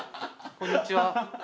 こんにちは。